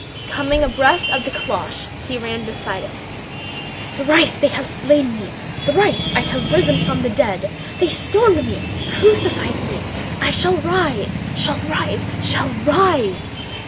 Coming abreast of the calèche he ran beside it. "Thrice have they slain me, thrice have I risen from the dead. They stoned me, crucified me... I shall rise... shall rise... shall rise.